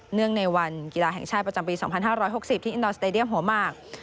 งในวันกีฬาแห่งชาติประจำปี๒๕๖๐ที่อินดอร์สเตดียมหัวมาก